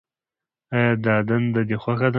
آیا دا دنده دې خوښه ده.